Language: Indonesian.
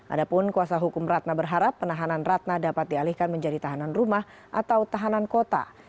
adapun kuasa hukum ratna berharap penahanan ratna dapat dialihkan menjadi tahanan rumah atau tahanan kota